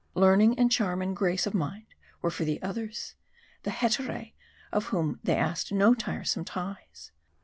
Learning and charm and grace of mind were for the others, the hetaerae of whom they asked no tiresome ties.